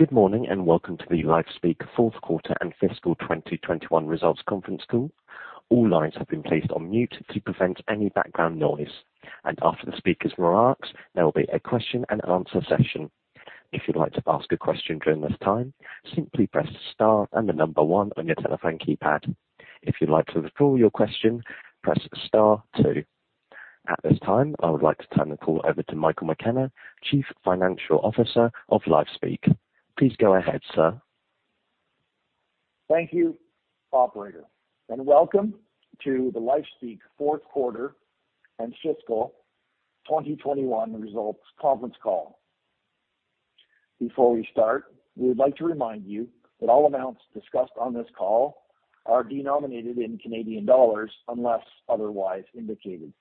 Good morning, and welcome to the LifeSpeak Q4 and Fiscal 2021 Results Conference Call. All lines have been placed on mute to prevent any background noise. After the speaker's remarks, there will be a question-and-answer session. If you'd like to ask a question during this time, simply press Star and the number one on your telephone keypad. If you'd like to withdraw your question, press Star two. At this time, I would like to turn the call over to Michael McKenna, Chief Financial Officer of LifeSpeak. Please go ahead, sir. Thank you, operator, and welcome to the LifeSpeak Q4 and Fiscal 2021 Results Conference Call. Before we start, we would like to remind you that all amounts discussed on this call are denominated in Canadian dollars unless otherwise indicated.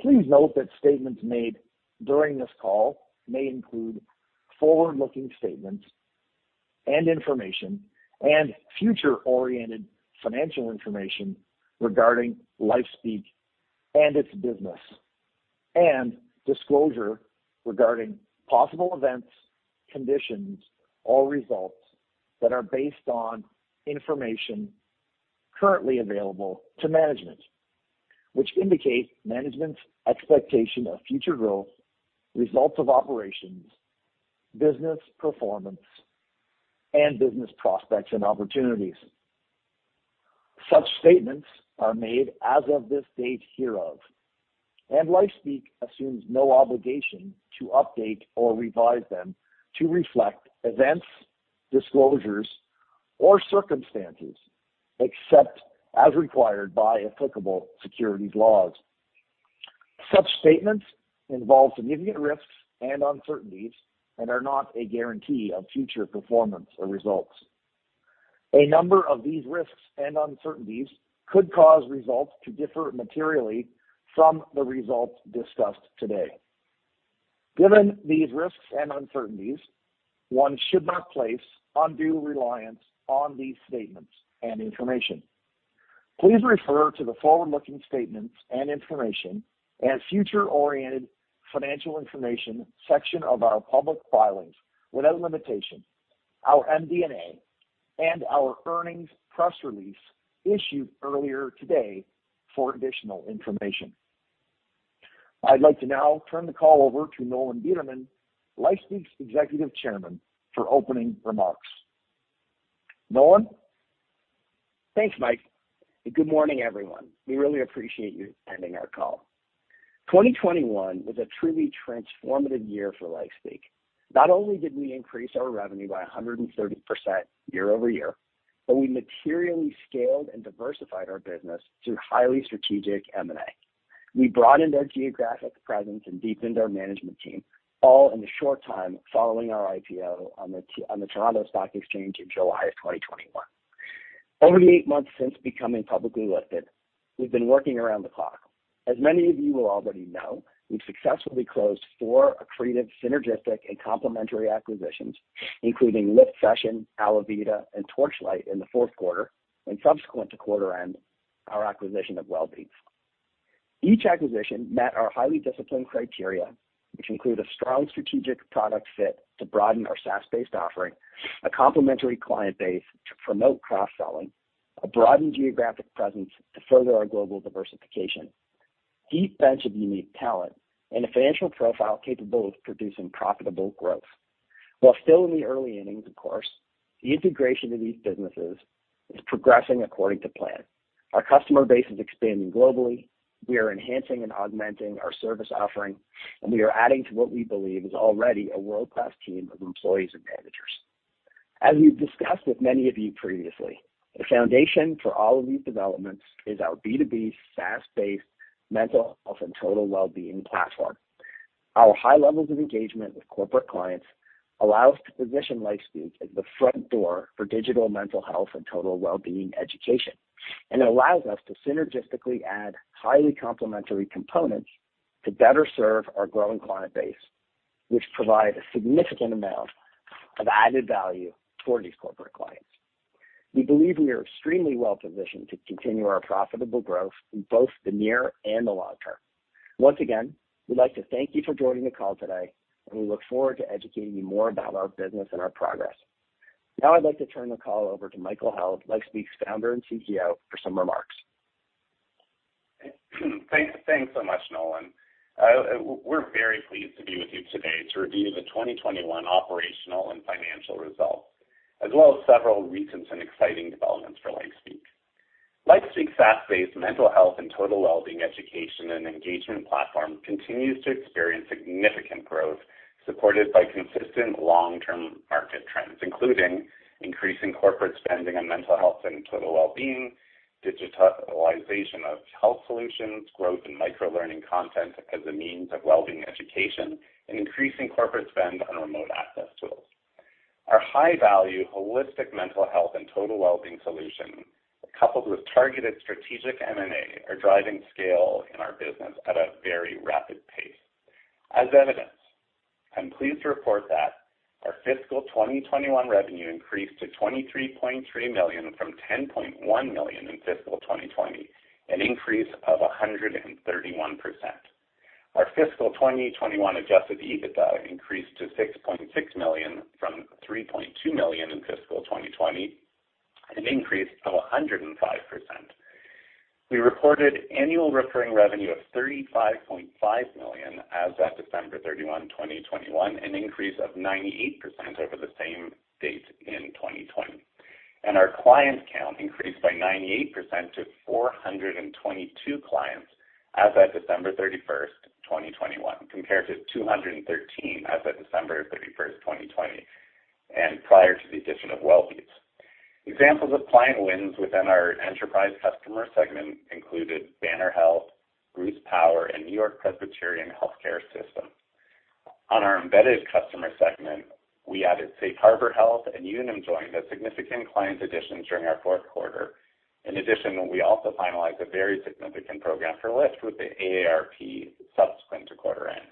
Please note that statements made during this call may include forward-looking statements and information and future-oriented financial information regarding LifeSpeak and its business, and disclosure regarding possible events, conditions, or results that are based on information currently available to management, which indicate management's expectation of future growth, results of operations, business performance, and business prospects and opportunities. Such statements are made as of this date hereof, and LifeSpeak assumes no obligation to update or revise them to reflect events, disclosures, or circumstances except as required by applicable securities laws. Such statements involve significant risks and uncertainties and are not a guarantee of future performance or results. A number of these risks and uncertainties could cause results to differ materially from the results discussed today. Given these risks and uncertainties, one should not place undue reliance on these statements and information. Please refer to the forward-looking statements and information and future-oriented financial information section of our public filings without limitation, our MD&A, and our earnings press release issued earlier today for additional information. I'd like to now turn the call over to Nolan Bederman, LifeSpeak's Executive Chairman, for opening remarks. Nolan? Thanks, Mike, and good morning, everyone. We really appreciate you attending our call. 2021 was a truly transformative year for LifeSpeak. Not only did we increase our revenue by 130% year-over-year, but we materially scaled and diversified our business through highly strategic M&A. We broadened our geographic presence and deepened our management team, all in the short time following our IPO on the Toronto Stock Exchange in July of 2021. Over the eight months since becoming publicly listed, we've been working around the clock. As many of you will already know, we've successfully closed four accretive, synergistic, and complementary acquisitions, including LIFT session, ALAViDA, and Torchlight in the Q4, and subsequent to quarter end, our acquisition of Wellbeats. Each acquisition met our highly disciplined criteria, which include a strong strategic product fit to broaden our SaaS-based offering, a complementary client base to promote cross-selling, a broadened geographic presence to further our global diversification, deep bench of unique talent, and a financial profile capable of producing profitable growth. While still in the early innings, of course, the integration of these businesses is progressing according to plan. Our customer base is expanding globally, we are enhancing and augmenting our service offering, and we are adding to what we believe is already a world-class team of employees and managers. As we've discussed with many of you previously, the foundation for all of these developments is our B2B SaaS-based mental health and total well-being platform. Our high levels of engagement with corporate clients allow us to position LifeSpeak as the front door for digital mental health and total well-being education, and it allows us to synergistically add highly complementary components to better serve our growing client base, which provide a significant amount of added value for these corporate clients. We believe we are extremely well-positioned to continue our profitable growth in both the near and the long term. Once again, we'd like to thank you for joining the call today, and we look forward to educating you more about our business and our progress. Now, I'd like to turn the call over to Michael Held, LifeSpeak's founder and CEO, for some remarks. Thanks so much, Nolan. We're very pleased to be with you today to review the 2021 operational and financial results, as well as several recent and exciting developments for LifeSpeak. LifeSpeak's SaaS-based mental health and total well-being education and engagement platform continues to experience significant growth, supported by consistent long-term market trends, including increasing corporate spending on mental health and total well-being, digitalization of health solutions, growth in micro-learning content as a means of well-being education, and increasing corporate spend on remote access tools. Our high-value holistic mental health and total well-being solution, coupled with targeted strategic M&A, are driving scale in our business at a very rapid pace. As evidence, I'm pleased to report that. Our fiscal 2021 revenue increased to 23.3 million from 10.1 million in fiscal 2020, an increase of 131%. Our fiscal 2021 adjusted EBITDA increased to 6.6 million from 3.2 million in fiscal 2020, an increase of 105%. We reported annual recurring revenue of 35.5 million as of December 31, 2021, an increase of 98% over the same date in 2020. Our client count increased by 98% to 422 clients as of December 31, 2021, compared to 213 as of December 31, 2020, and prior to the addition of Wellbeats. Examples of client wins within our enterprise customer segment included Banner Health, Bruce Power, and NewYork-Presbyterian Hospital. On our embedded customer segment, we added Safe Harbor Health and Unum join as significant client additions during our Q4. In addition, we also finalized a very significant program for LIFT with the AARP subsequent to quarter end.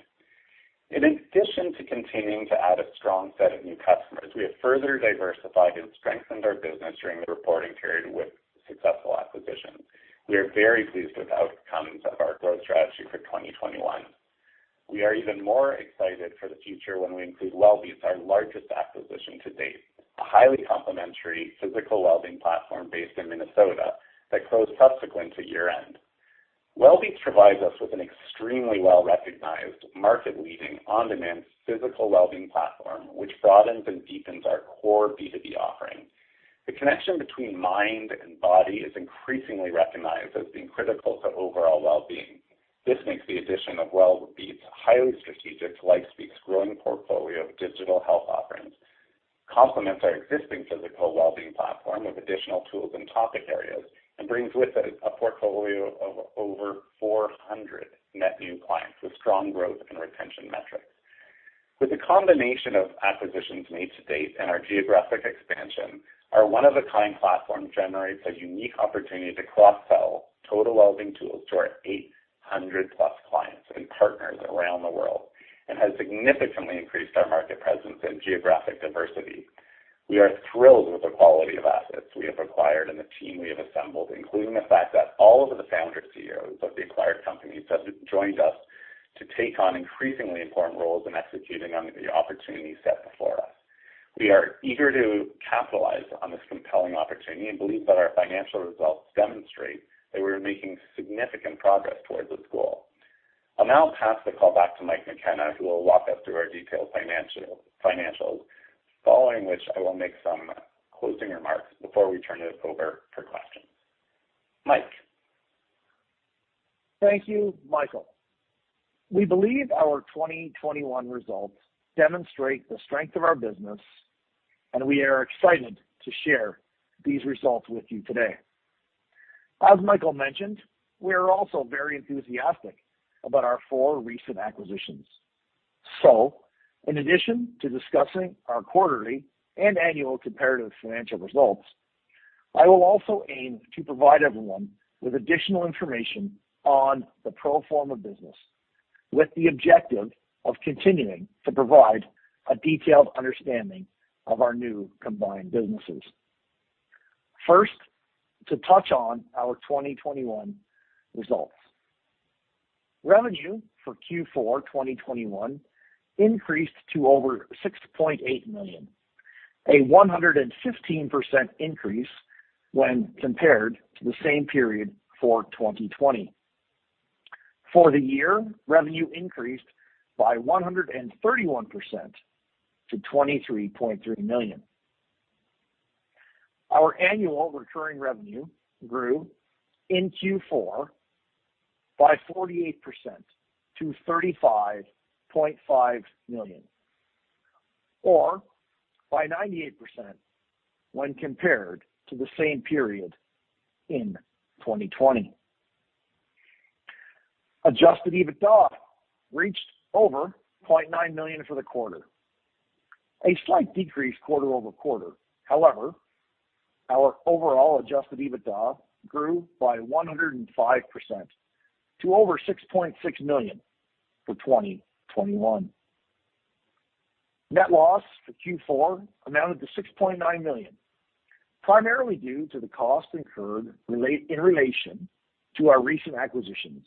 In addition to continuing to add a strong set of new customers, we have further diversified and strengthened our business during the reporting period with successful acquisitions. We are very pleased with the outcomes of our growth strategy for 2021. We are even more excited for the future when we include Wellbeats, our largest acquisition to date, a highly complementary physical wellbeing platform based in Minnesota that closed subsequent to year-end. Wellbeats provides us with an extremely well-recognized, market-leading, on-demand physical wellbeing platform, which broadens and deepens our core B2B offering. The connection between mind and body is increasingly recognized as being critical to overall wellbeing. This makes the addition of Wellbeats highly strategic to LifeSpeak's growing portfolio of digital health offerings, complements our existing physical wellbeing platform of additional tools and topic areas, and brings with it a portfolio of over 400 net new clients with strong growth and retention metrics. With the combination of acquisitions made to date and our geographic expansion, our one-of-a-kind platform generates a unique opportunity to cross-sell total wellbeing tools to our 800+ clients and partners around the world and has significantly increased our market presence and geographic diversity. We are thrilled with the quality of assets we have acquired and the team we have assembled, including the fact that all of the founder CEOs of the acquired companies have joined us to take on increasingly important roles in executing on the opportunities set before us. We are eager to capitalize on this compelling opportunity and believe that our financial results demonstrate that we are making significant progress towards this goal. I'll now pass the call back to Mike McKenna, who will walk us through our detailed financials, following which I will make some closing remarks before we turn it over for questions. Mike. Thank you, Michael. We believe our 2021 results demonstrate the strength of our business, and we are excited to share these results with you today. As Michael mentioned, we are also very enthusiastic about our four recent acquisitions. In addition to discussing our quarterly and annual comparative financial results, I will also aim to provide everyone with additional information on the pro forma business, with the objective of continuing to provide a detailed understanding of our new combined businesses. First, to touch on our 2021 results. Revenue for Q4 2021 increased to over 6.8 million, a 115% increase when compared to the same period for 2020. For the year, revenue increased by 131% to 23.3 million. Our annual recurring revenue grew in Q4 by 48% to 35.5 million, or by 98% when compared to the same period in 2020. Adjusted EBITDA reached over 0.9 million for the quarter, a slight decrease quarter-over-quarter. However, our overall adjusted EBITDA grew by 105% to over 6.6 million for 2021. Net loss for Q4 amounted to 6.9 million, primarily due to the cost incurred in relation to our recent acquisitions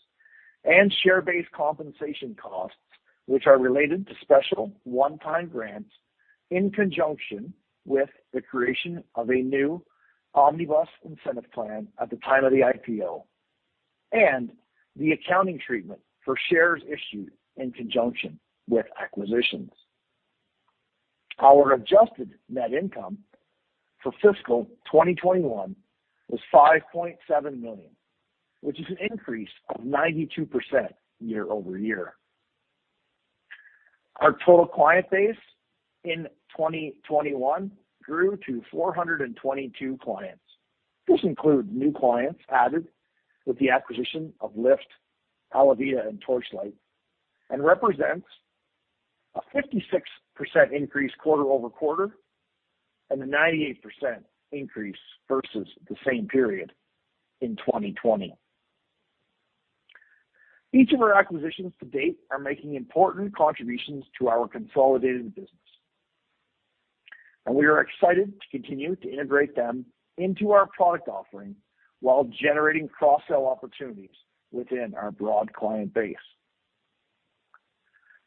and share-based compensation costs, which are related to special one-time grants in conjunction with the creation of a new omnibus incentive plan at the time of the IPO and the accounting treatment for shares issued in conjunction with acquisitions. Our adjusted net income for fiscal 2021 was 5.7 million, which is an increase of 92% year-over-year. Our total client base in 2021 grew to 422 clients. This includes new clients added with the acquisition of LIFT, ALAViDA, and Torchlight and represents a 56% increase quarter-over-quarter and a 98% increase versus the same period in 2020. Each of our acquisitions to date are making important contributions to our consolidated business. We are excited to continue to integrate them into our product offering while generating cross-sell opportunities within our broad client base.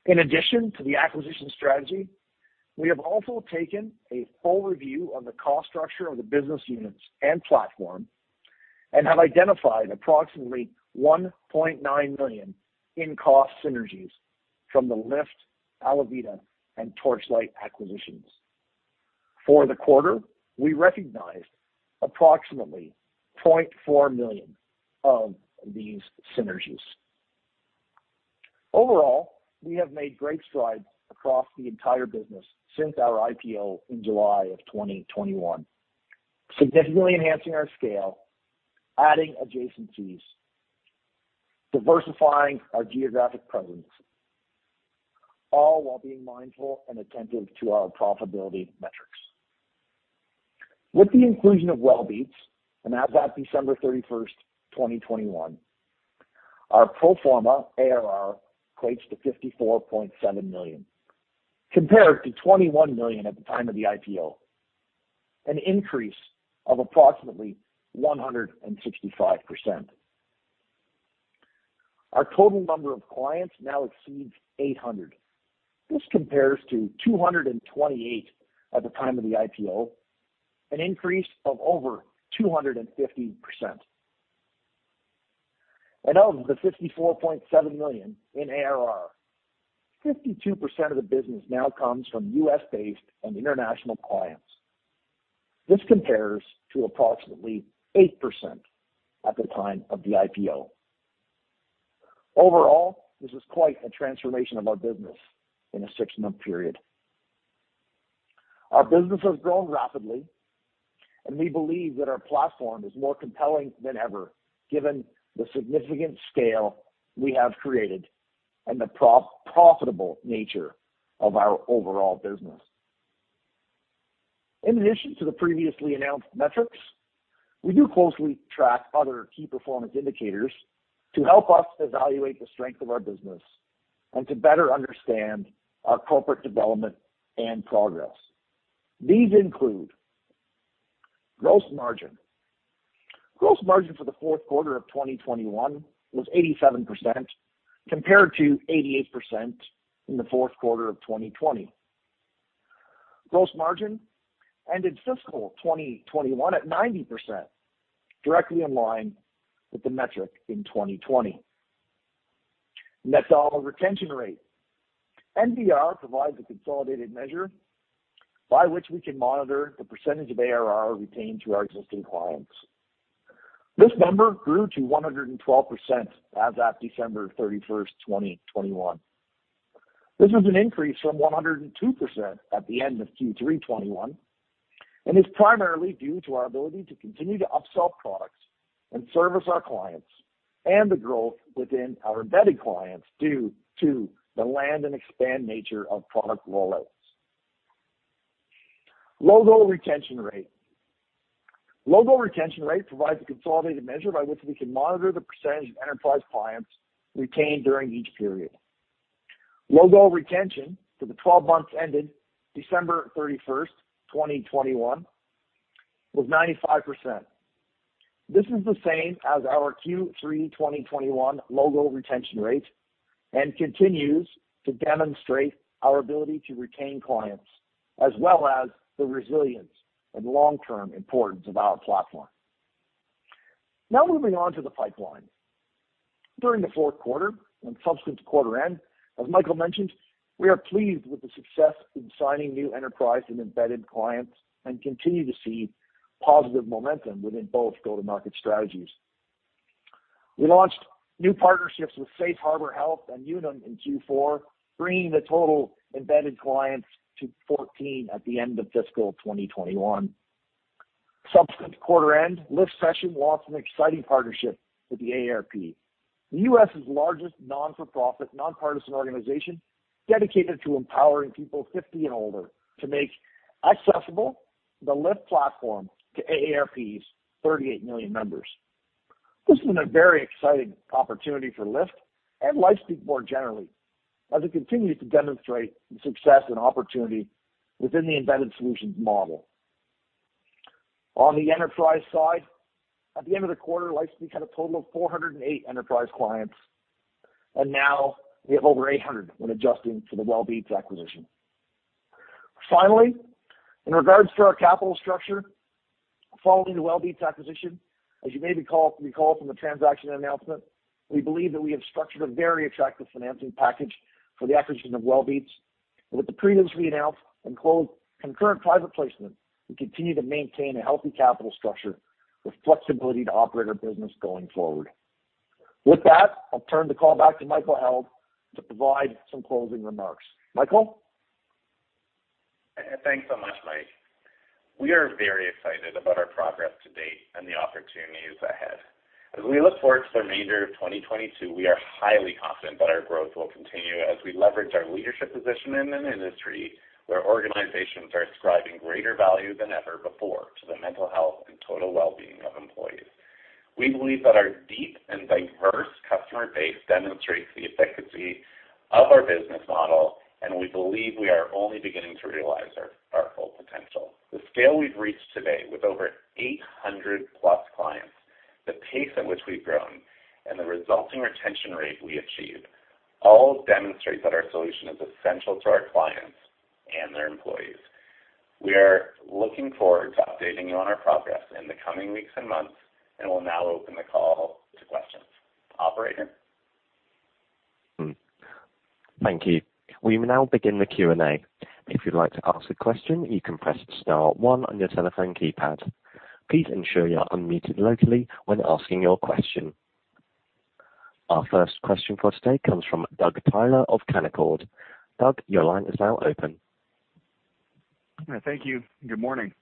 In addition to the acquisition strategy, we have also taken a full review on the cost structure of the business units and platform and have identified approximately 1.9 million in cost synergies from the LIFT, ALAViDA, and Torchlight acquisitions. For the quarter, we recognized approximately 0.4 million of these synergies. Overall, we have made great strides across the entire business since our IPO in July 2021, significantly enhancing our scale, adding adjacencies, diversifying our geographic presence, all while being mindful and attentive to our profitability metrics. With the inclusion of Wellbeats, and as at December 31, 2021, our pro forma ARR equates to 54.7 million, compared to 21 million at the time of the IPO, an increase of approximately 165%. Our total number of clients now exceeds 800. This compares to 228 at the time of the IPO, an increase of over 250%. Of the 54.7 million in ARR, 52% of the business now comes from U.S.-based and international clients. This compares to approximately 8% at the time of the IPO. Overall, this is quite a transformation of our business in a six-month period. Our business has grown rapidly, and we believe that our platform is more compelling than ever, given the significant scale we have created and the profitable nature of our overall business. In addition to the previously announced metrics, we do closely track other key performance indicators to help us evaluate the strength of our business and to better understand our corporate development and progress. These include gross margin. Gross margin for the Q4 of 2021 was 87%, compared to 88% in the Q4 of 2020. Gross margin ended fiscal 2021 at 90%, directly in line with the metric in 2020. Net dollar retention rate. NDR provides a consolidated measure by which we can monitor the percentage of ARR retained to our existing clients. This number grew to 112% as at December 31, 2021. This is an increase from 102% at the end of Q3 2021 and is primarily due to our ability to continue to upsell products and service our clients and the growth within our embedded clients due to the land and expand nature of product rollouts. Logo retention rate. Logo retention rate provides a consolidated measure by which we can monitor the percentage of enterprise clients retained during each period. Logo retention for the 12 months ended December 31, 2021 was 95%. This is the same as our Q3 2021 logo retention rate and continues to demonstrate our ability to retain clients, as well as the resilience and long-term importance of our platform. Now moving on to the pipeline. During the Q4 and subsequent quarter end, as Michael mentioned, we are pleased with the success in signing new enterprise and embedded clients and continue to see positive momentum within both go-to-market strategies. We launched new partnerships with Safe Harbor Health and Unum in Q4, bringing the total embedded clients to 14 at the end of fiscal 2021. Subsequent quarter end, LIFT session launched an exciting partnership with the AARP, the U.S.'s largest nonprofit, nonpartisan organization dedicated to empowering people 50 and older to make accessible the LIFT platform to AARP's 38 million members. This is a very exciting opportunity for LIFT and LifeSpeak more generally, as it continues to demonstrate the success and opportunity within the embedded solutions model. On the enterprise side, at the end of the quarter, LifeSpeak had a total of 408 enterprise clients, and now we have over 800 when adjusting for the Wellbeats acquisition. Finally, in regard to our capital structure, following the Wellbeats acquisition, as you may recall from the transaction announcement, we believe that we have structured a very attractive financing package for the acquisition of Wellbeats. With the previously announced and closed concurrent private placement, we continue to maintain a healthy capital structure with flexibility to operate our business going forward. With that, I'll turn the call back to Michael Held to provide some closing remarks. Michael? Thanks so much, Mike. We are very excited about our progress to date and the opportunities ahead. As we look forward to the remainder of 2022, we are highly confident that our growth will continue as we leverage our leadership position in an industry where organizations are ascribing greater value than ever before to the mental health and total wellbeing of employees. We believe that our deep and diverse customer base demonstrates the efficacy of our business model, and we believe we are only beginning to realize our full potential. The scale we've reached today with over 800+ clients, the pace at which we've grown and the resulting retention rate we achieved all demonstrates that our solution is essential to our clients and their employees. We are looking forward to updating you on our progress in the coming weeks and months, and we'll now open the call to questions. Operator? Thank you. We now begin the Q&A. If you'd like to ask a question, you can press star one on your telephone keypad. Please ensure you are unmuted locally when asking your question. Our first question for today comes from Doug Taylor of Canaccord. Doug, your line is now open. Thank you. Good morning.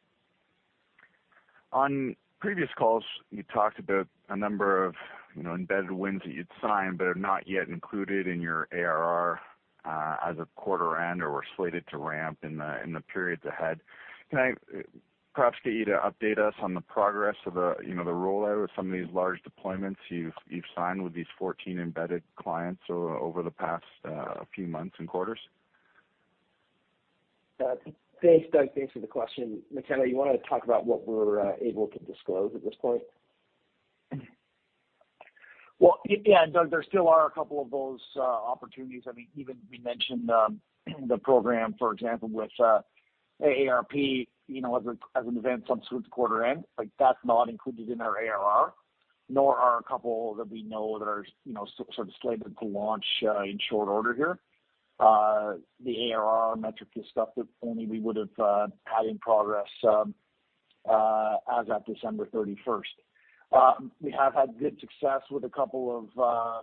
On previous calls, you talked about a number of, you know, embedded wins that you'd signed but are not yet included in your ARR, as of quarter end or were slated to ramp in the periods ahead. Can I perhaps get you to update us on the progress of the, you know, the rollout of some of these large deployments you've signed with these 14 embedded clients over the past few months and quarters? Thanks, Doug. Thanks for the question. Michael Held, you wanna talk about what we're able to disclose at this point. Well, yeah, Doug, there still are a couple of those opportunities. I mean, even we mentioned the program, for example, with AARP, you know, as an event subsequent to quarter end, like, that's not included in our ARR, nor are a couple that we know that are, you know, sort of slated to launch in short order here. The ARR metric is stuff that only we would've had in progress as of December thirty-first. We have had good success with a couple of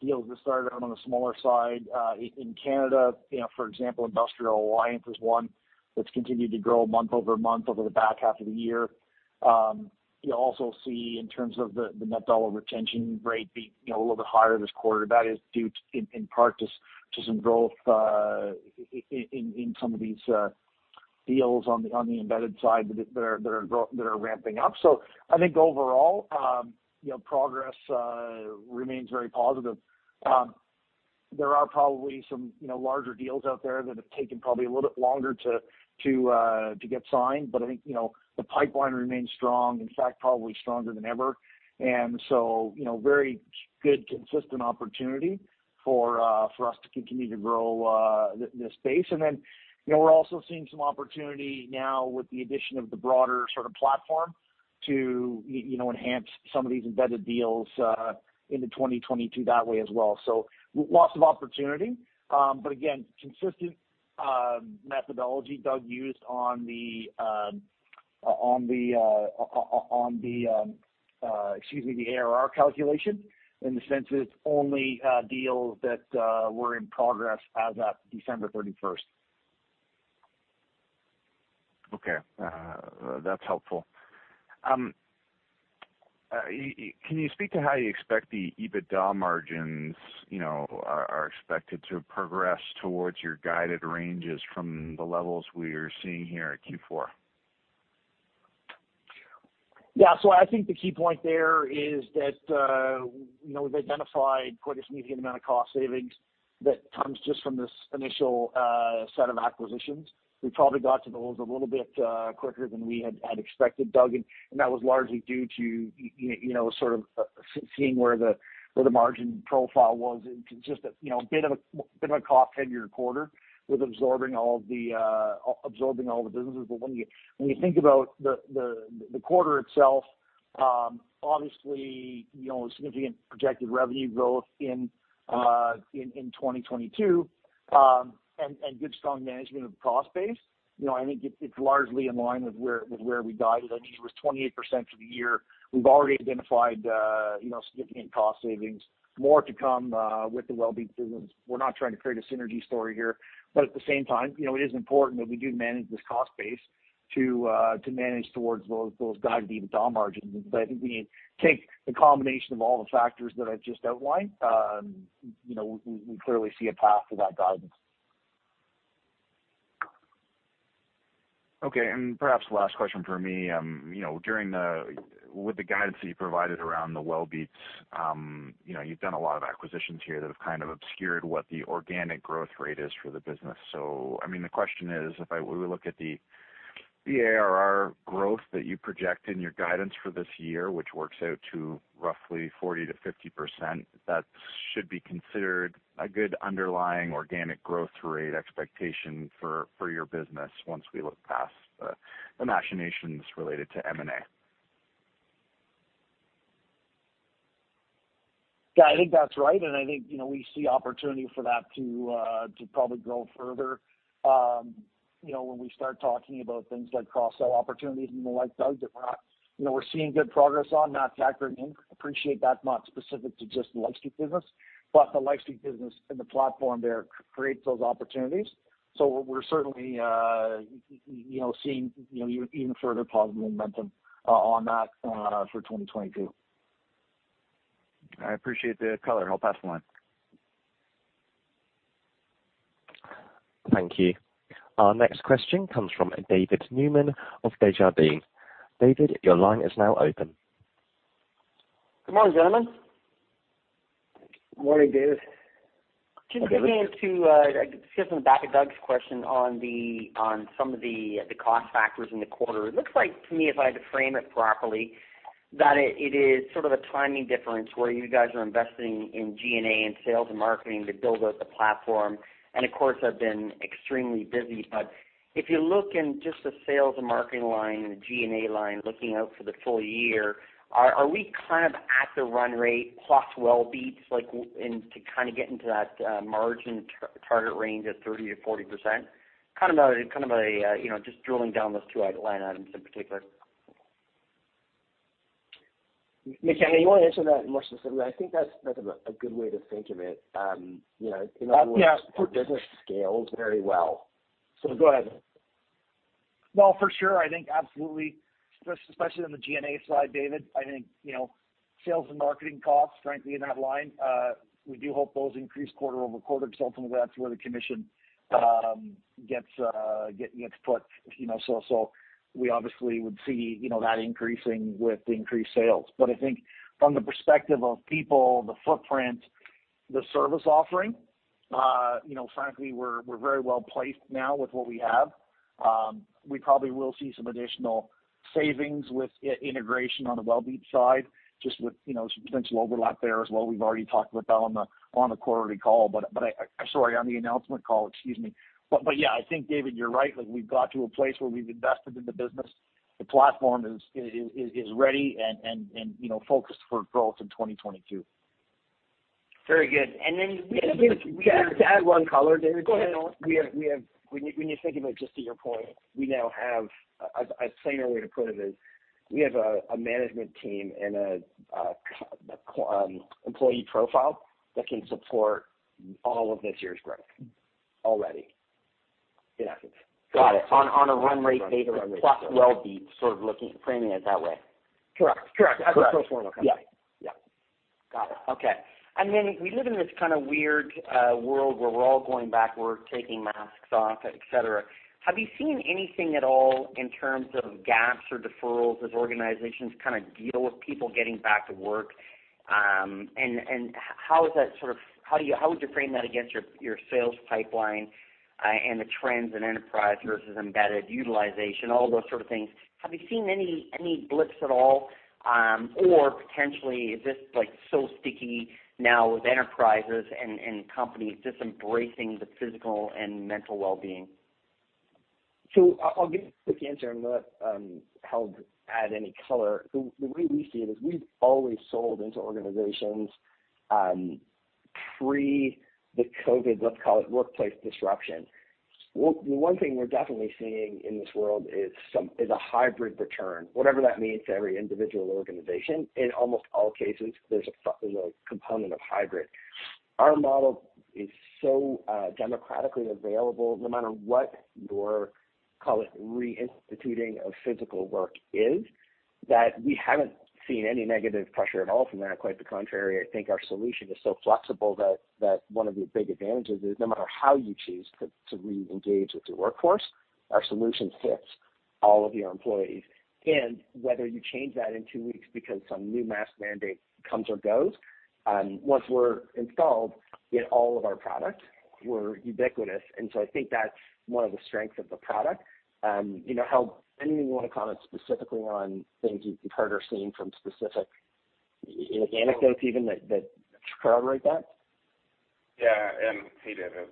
deals that started out on the smaller side, in Canada. You know, for example, Industrial Alliance is one that's continued to grow month-over-month over the back half of the year. You also see in terms of the net dollar retention rate being, you know, a little bit higher this quarter. That is due to, in part, to some growth in some of these deals on the embedded side that are ramping up. I think overall, you know, progress remains very positive. There are probably some, you know, larger deals out there that have taken probably a little bit longer to get signed. I think, you know, the pipeline remains strong, in fact, probably stronger than ever. You know, very good consistent opportunity for us to continue to grow this space. You know, we're also seeing some opportunity now with the addition of the broader sort of platform to, you know, enhance some of these embedded deals into 2022 that way as well. Lots of opportunity. Again, consistent methodology, Doug, used on the ARR calculation in the sense that it's only deals that were in progress as of December thirty-first. Okay. That's helpful. Can you speak to how you expect the EBITDA margins, you know, are expected to progress towards your guided ranges from the levels we are seeing here at Q4? Yeah. I think the key point there is that, you know, we've identified quite a significant amount of cost savings that comes just from this initial set of acquisitions. We probably got to those a little bit quicker than we had expected, Doug, and that was largely due to you know, sort of seeing where the margin profile was and just you know, a bit of a cost heavier quarter with absorbing all the businesses. When you think about the quarter itself, obviously, you know, significant projected revenue growth in 2022, and good strong management of the cost base, you know, I think it's largely in line with where we guided. I think it was 28% for the year. We've already identified you know, significant cost savings, more to come, with the Wellbeats business. We're not trying to create a synergy story here. At the same time, you know, it is important that we do manage this cost base to manage towards those guided EBITDA margins. I think when you take the combination of all the factors that I've just outlined, you know, we clearly see a path to that guidance. Okay. Perhaps the last question from me, you know, with the guidance that you provided around the Wellbeats, you know, you've done a lot of acquisitions here that have kind of obscured what the organic growth rate is for the business. I mean, the question is, we look at the ARR growth that you project in your guidance for this year, which works out to roughly 40%-50%, that should be considered a good underlying organic growth rate expectation for your business once we look past the machinations related to M&A. Yeah, I think that's right. I think, you know, we see opportunity for that to probably grow further, you know, when we start talking about things like cross-sell opportunities and the like, Doug. You know, we're seeing good progress on that category. I appreciate that's not specific to just the LifeSpeak business, but the LifeSpeak business and the platform there creates those opportunities. We're certainly, you know, seeing, you know, even further positive momentum on that for 2022. I appreciate the color. I'll pass the line. Thank you. Our next question comes from David George of Baird. David, your line is now open. Good morning, gentlemen. Morning, David. Just looking into just on the back of Doug's question on some of the cost factors in the quarter. It looks like to me, if I had to frame it properly, that it is sort of a timing difference where you guys are investing in G&A and sales and marketing to build out the platform, of course have been extremely busy. If you look in just the sales and marketing line and the G&A line looking out for the full year, are we kind of at the run rate plus Wellbeats and to kind of get into that margin target range of 30%-40%? Kind of a, you know, just drilling down those two-line items in particular. Mike McKenna, you wanna answer that more specifically? I think that's a good way to think of it. You know, in other words. Yeah. The business scales very well. Go ahead. Well, for sure. I think absolutely, especially on the G&A side, David. I think you know, sales and marketing costs, frankly, in that line, we do hope those increase quarter-over-quarter. Ultimately, that's where the commission gets put, you know. We obviously would see that increasing with the increased sales. But I think from the perspective of people, the footprint, the service offering, you know, frankly, we're very well placed now with what we have. We probably will see some additional savings with integration on the Wellbeats side, just with some potential overlap there as well. We've already talked about that on the announcement call, excuse me. Yeah. I think, David, you're right. Like, we've got to a place where we've invested in the business. The platform is ready and, you know, focused for growth in 2022. Very good. If we can add one color, David. Go ahead. When you think about just to your point, we now have a plainer way to put it is, we have a management team and a employee profile that can support all of this year's growth already. In essence. Got it. On a run rate basis. On a run rate. Wellbeats sort of looking, framing it that way. Correct. Correct. Correct. Yeah. Yeah. Got it. Okay. Then we live in this kind of weird world where we're all going backward, taking masks off, et cetera. Have you seen anything at all in terms of gaps or deferrals as organizations kind of deal with people getting back to work? How would you frame that against your sales pipeline and the trends in enterprise versus embedded utilization, all those sorts of things? Have you seen any blips at all, or potentially is this like so sticky now with enterprises and companies just embracing the physical and mental wellbeing? I'll give you the quick answer and let Michael Held add any color. The way we see it is we've always sold into organizations pre-COVID, let's call it, workplace disruption. The one thing we're definitely seeing in this world is a hybrid return, whatever that means to every individual organization. In almost all cases, there's a component of hybrid. Our model is so democratically available no matter what your call it reinstituting of physical work is, that we haven't seen any negative pressure at all from that. Quite the contrary, I think our solution is so flexible that one of the big advantages is no matter how you choose to re-engage with your workforce, our solution fits all of your employees. Whether you change that in two weeks because some new mask mandate comes or goes, once we're installed in all of our products, we're ubiquitous. I think that's one of the strengths of the product. You know, Michael Held, anything you wanna comment specifically on things you've heard or seen from specific anecdotes even that corroborate that? Yeah. Hey, David.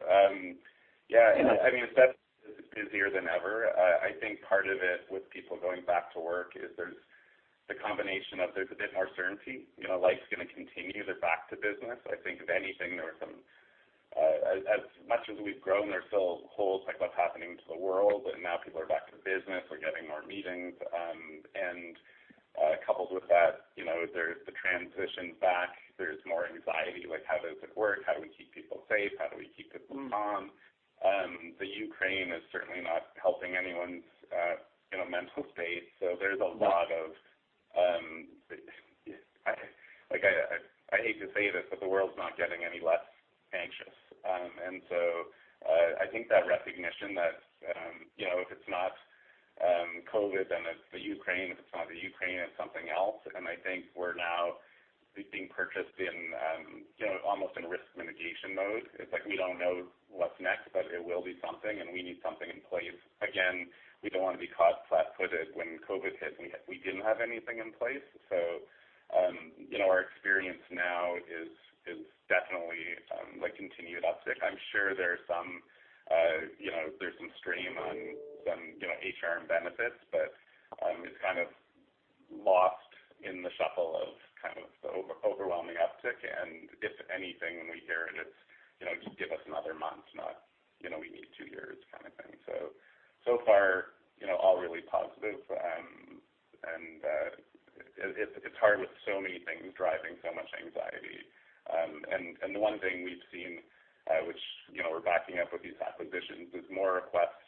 Yeah. Yeah. I mean, the sector is busier than ever. I think part of it with people going back to work is there's the combination of a bit more certainty. You know, life's gonna continue. They're back to business. I think if anything, there was some, as much as we've grown, there's still holes, like what's happening to the world, and now people are back to business. We're getting more meetings. Coupled with that, you know, there's the transition back. There's more anxiety, like, how does it work? How do we keep people safe? How do we keep people calm? Ukraine is certainly not helping anyone's, you know, mental state. So there's a lot of, like I hate to say this, but the world's not getting any less anxious. I think that recognition that, you know, if it's not COVID, then it's Ukraine. If it's not Ukraine, it's something else. I think we're now being purchased in, you know, almost in risk mitigation mode. It's like we don't know what's next, but it will be something and we need something in place. Again, we don't wanna be caught flat-footed when COVID hit and we didn't have anything in place. You know, our experience now is definitely like continued uptick. I'm sure there's some, you know, some strain on some, you know, HR and benefits, but it's kind of lost in the shuffle of kind of the overwhelming uptick. If anything, when we hear it's, you know, just give us another month, not, you know, we need two years kind of thing. So far, you know, all really positive. It's hard with so many things driving so much anxiety. The one thing we've seen, which, you know, we're backing up with these acquisitions is more requests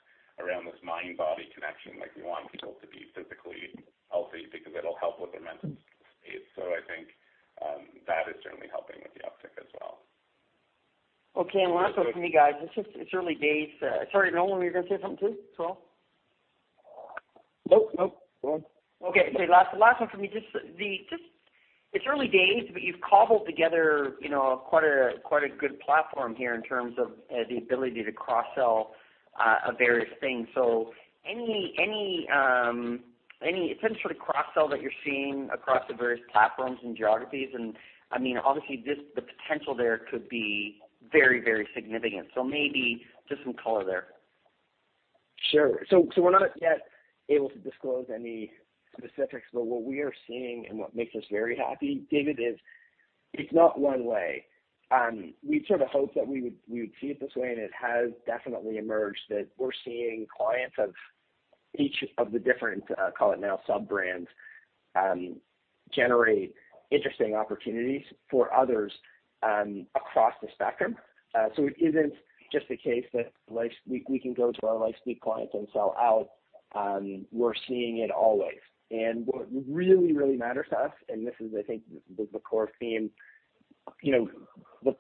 around this mind-body connection. Like, we want people to be physically healthy because it'll help with their mental state. I think and that is certainly helping with the uptick as well. Okay. Last one for me, guys. It's early days. Sorry, Nolan, were you gonna say something too as well? Nope. Go on. Okay. Last one for me. It's early days, but you've cobbled together, you know, quite a good platform here in terms of the ability to cross-sell various things. Is there any sort of cross-sell that you're seeing across the various platforms and geographies? I mean, obviously this, the potential there could be very significant. Maybe just some color there. Sure. We're not yet able to disclose any specifics. What we are seeing and what makes us very happy, David, is it's not one way. We sort of hoped that we would see it this way, and it has definitely emerged that we're seeing clients of each of the different, call it now sub-brands, generate interesting opportunities for others, across the spectrum. It isn't just the case that we can go to our LifeSpeak clients and sell other. We're seeing it always. What really matters to us, and this is I think the core theme, you know,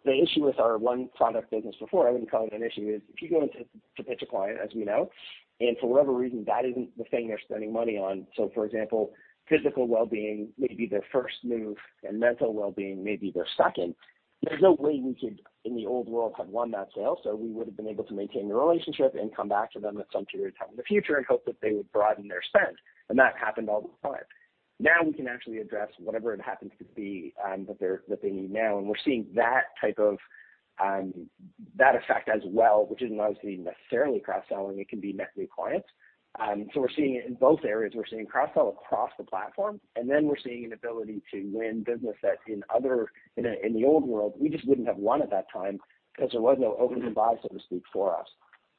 the issue with our one product business before, I wouldn't call it an issue, is if you go in to pitch a client, as we know, and for whatever reason, that isn't the thing they're spending money on. For example, physical wellbeing may be their first move, and mental wellbeing may be their second. There's no way we could in the old world have won that sale. We would've been able to maintain the relationship and come back to them at some period of time in the future and hope that they would broaden their spend. That happened all the time. Now, we can actually address whatever it happens to be, that they need now. We're seeing that type of effect as well, which isn't obviously necessarily cross-selling. It can be net new clients. We're seeing it in both areas. We're seeing cross-sell across the platform, and then we're seeing an ability to win business that in the old world, we just wouldn't have won at that time 'cause there was no open buy, so to speak, for us.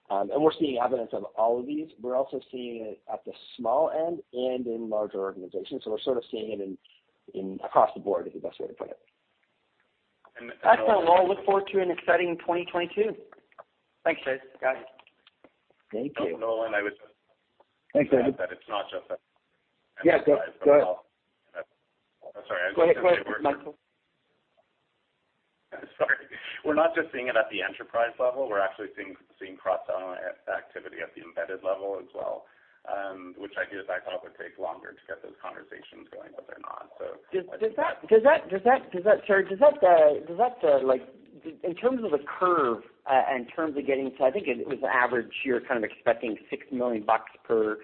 We're seeing evidence of all of these. We're also seeing it at the small end and in larger organizations. We're sort of seeing it in across the board, is the best way to put it. Excellent. Well, look forward to an exciting 2022. Thanks, guys. Thank you. Nolan, I was. Thanks, David. That it's not just that. Yeah, go ahead. I'm sorry. Go ahead, Michael. Sorry. We're not just seeing it at the enterprise level. We're actually seeing cross-sell activity at the embedded level as well, which ideas I thought would take longer to get those conversations going, but they're not, so. Does that, sorry, does that like in terms of the curve, in terms of getting. I think it was average, your kind of expecting 6 million bucks per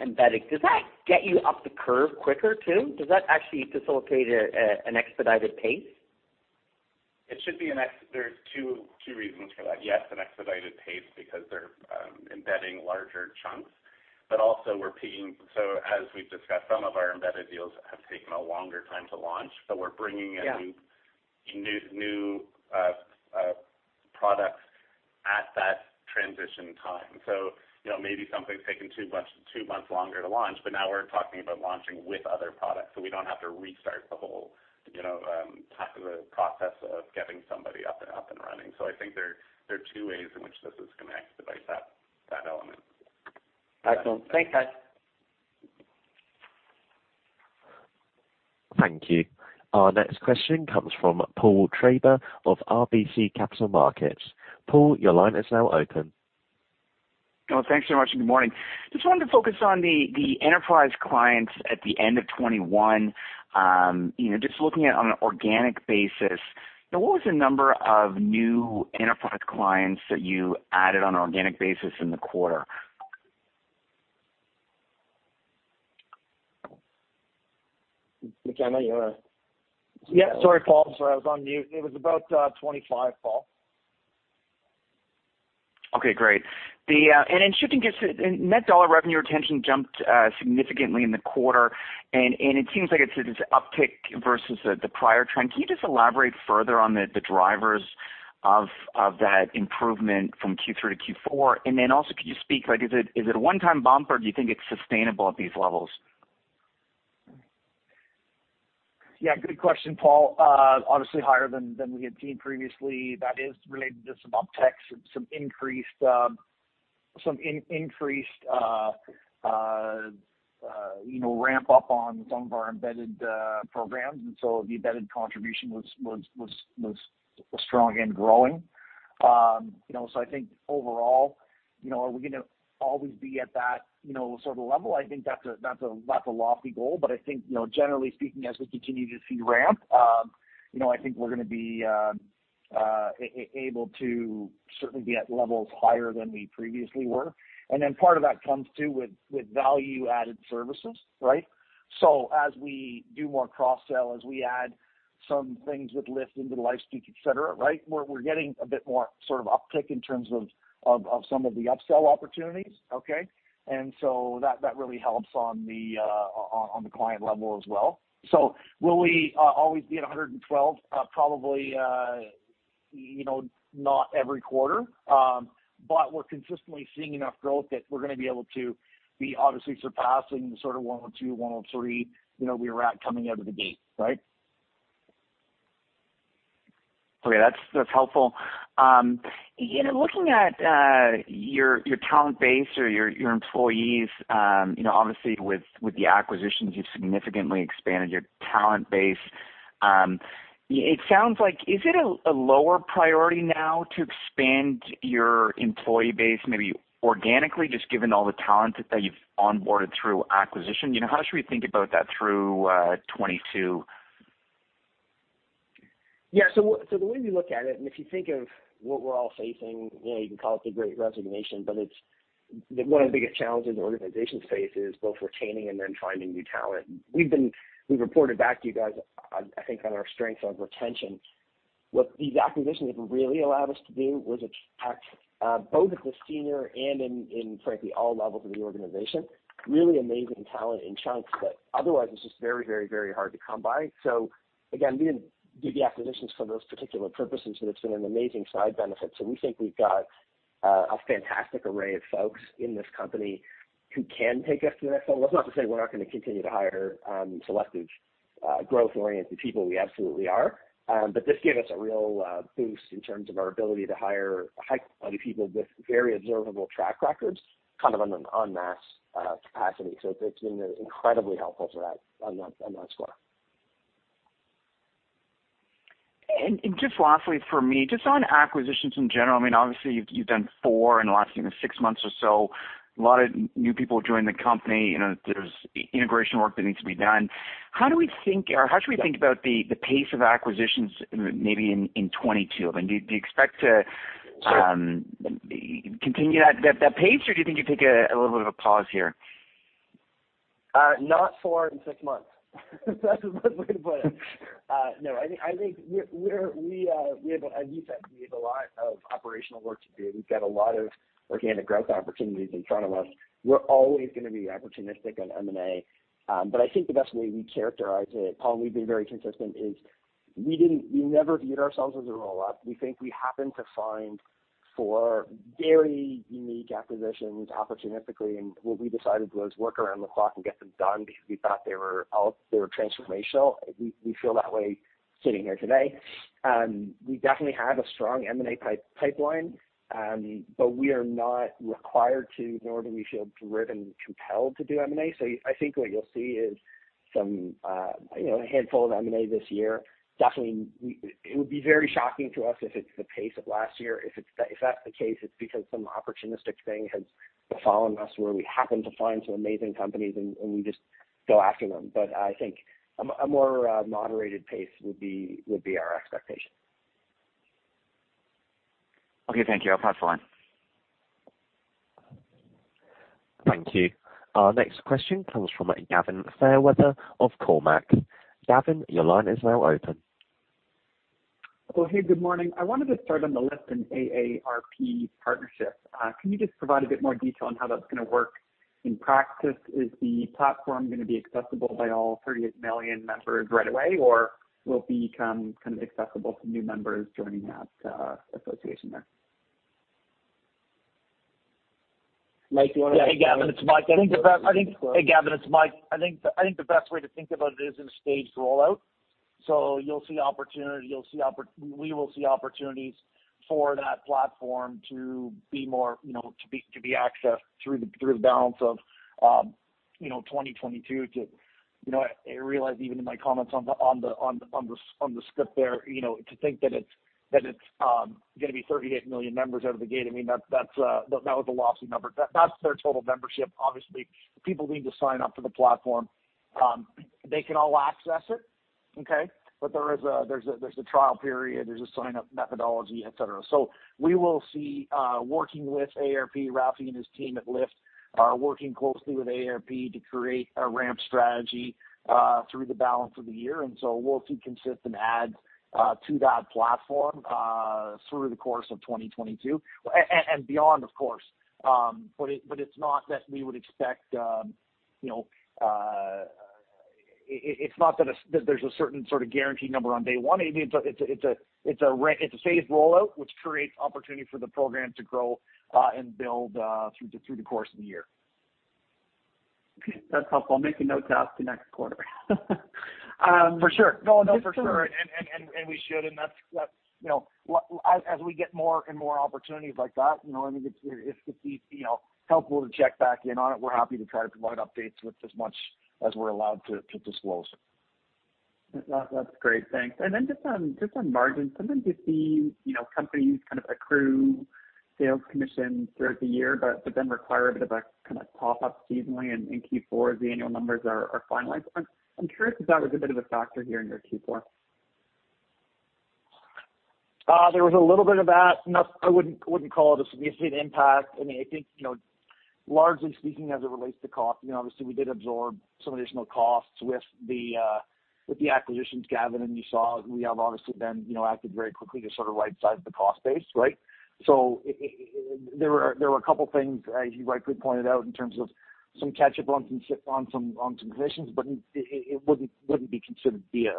embedded. Does that get you up the curve quicker too? Does that actually facilitate an expedited pace? There are two reasons for that. Yes, an expedited pace because they're embedding larger chunks. Also we're seeing as we've discussed, some of our embedded deals have taken a longer time to launch, so we're bringing in- Yeah. New products at that transition time. You know, maybe something's taken two months longer to launch, but now we're talking about launching with other products, so we don't have to restart the whole, you know, top of the process of getting somebody up and running. I think there are two ways in which this is gonna expedite that element. Excellent. Thanks, guys. Thank you. Our next question comes from Paul Treiber of RBC Capital Markets. Paul, your line is now open. No, thanks so much, and good morning. Just wanted to focus on the enterprise clients at the end of 2021. You know, just looking at on an organic basis, you know, what was the number of new enterprise clients that you added on an organic basis in the quarter? Mike McKenna, yeah, sorry, Paul. I was on mute. It was about 25, Paul. Okay, great. Shifting gears. Net dollar retention jumped significantly in the quarter, and it seems like it's this uptick versus the prior trend. Can you just elaborate further on the drivers of that improvement from Q3 to Q4? Also, can you speak like, is it a one-time bump, or do you think it's sustainable at these levels? Yeah, good question, Paul. Obviously higher than we had seen previously. That is related to some upticks and some increased you know ramp up on some of our embedded programs. The embedded contribution was strong and growing. You know, so I think overall, you know, are we gonna always be at that, you know, sort of level? I think that's a lofty goal. I think, you know, generally speaking, as we continue to see ramp, you know, I think we're gonna be able to certainly be at levels higher than we previously were. Part of that comes too with value-added services, right? As we do more cross-sell, as we add some things with LIFT into the LifeSpeak, et cetera, right, we're getting a bit more sort of uptick in terms of some of the upsell opportunities. Okay? That really helps on the client level as well. Will we always be at 112%? Probably, you know, not every quarter. But we're consistently seeing enough growth that we're gonna be able to be obviously surpassing the sort of 102%, 103%, you know, we were at coming out of the gate, right? Okay, that's helpful. You know, looking at your talent base or your employees, you know, obviously with the acquisitions, you've significantly expanded your talent base. It sounds like is it a lower priority now to expand your employee base maybe organically, just given all the talent that you've onboarded through acquisition? You know, how should we think about that through 2022? The way we look at it, and if you think of what we're all facing, you know, you can call it the Great Resignation, but it's one of the biggest challenges organizations faces is both retaining and then finding new talent. We've reported back to you guys, I think, on our strength on retention. What these acquisitions have really allowed us to do was attract both at the senior and in frankly all levels of the organization, really amazing talent in chunks that otherwise it's just very hard to come by. Again, we didn't do the acquisitions for those particular purposes, but it's been an amazing side benefit. We think we've got a fantastic array of folks in this company who can take us to the next level. That's not to say we're not gonna continue to hire selective, growth-oriented people. We absolutely are. But this gave us a real boost in terms of our ability to hire high quality people with very observable track records, kind of on an en masse capacity. It's been incredibly helpful on that score. Just lastly for me, just on acquisitions in general, I mean, obviously you've done four in the last, you know, six months or so. A lot of new people joined the company. You know, there's integration work that needs to be done. How do we think or how should we think about the pace of acquisitions maybe in 2022? I mean, do you expect to continue at that pace, or do you think you take a little bit of a pause here? Not four in six months. That's the best way to put it. No, I think as you said, we have a lot of operational work to do. We've got a lot of organic growth opportunities in front of us. We're always gonna be opportunistic on M&A. I think the best way we characterize it, Paul, and we've been very consistent, is we never viewed ourselves as a roll-up. We think we happened to find four very unique acquisitions opportunistically, and what we decided was work around the clock and get them done because we thought they were transformational. We feel that way sitting here today. We definitely have a strong M&A pipeline, but we are not required to, nor do we feel driven, compelled to do M&A. I think what you'll see is some, you know, a handful of M&A this year. It would be very shocking to us if it's the pace of last year. If that's the case, it's because some opportunistic thing has befallen us where we happen to find some amazing companies and we just go after them. I think a more moderated pace would be our expectation. Okay. Thank you. I'll pass the line. Thank you. Our next question comes from Gavin Fairweather of Cormark. Gavin, your line is now open. Well, hey, good morning. I wanted to start on the LIFT and AARP partnership. Can you just provide a bit more detail on how that's gonna work in practice? Is the platform gonna be accessible by all 38 million members right away, or will it become kind of accessible to new members joining that association there? Hey, Gavin, it's Mike. I think the best way to think about it is in a staged rollout. You'll see opportunities for that platform to be more, you know, to be accessed through the balance of, you know, 2022. You know, I realize even in my comments on the script there, you know, to think that it's gonna be 38 million members out of the gate. I mean, that was a lofty number. That's their total membership. Obviously, people need to sign up for the platform. They can all access it, okay? There is a trial period, there's a sign-up methodology, et cetera. We will see working with AARP, Rafi and his team at LIFT are working closely with AARP to create a ramp strategy through the balance of the year. We'll see consistent adds to that platform through the course of 2022 and beyond of course. It's not that we would expect, you know, it's not that there's a certain sort of guaranteed number on day one. I mean, it's a phased rollout, which creates opportunity for the program to grow and build through the course of the year. That's helpful. I'll make a note to ask you next quarter. For sure. No, for sure. We should, and that's you know as we get more and more opportunities like that, you know what I mean? It's you know helpful to check back in on it. We're happy to try to provide updates with as much as we're allowed to disclose. That, that's great. Thanks. Just on margins, sometimes you see, you know, companies kind of accrue sales commissions throughout the year, but then require a bit of a kinda pop-up seasonally in Q4 as the annual numbers are finalized. I'm curious if that was a bit of a factor here in your Q4. There was a little bit of that. Enough. I wouldn't call it a significant impact. I mean, I think, you know, largely speaking as it relates to cost, you know, obviously we did absorb some additional costs with the acquisitions, Gavin. You saw we have obviously been, you know, active very quickly to sort of rightsize the cost base, right? There were a couple things, as you rightly pointed out, in terms of some catch up on some positions, but it wouldn't be considered to be a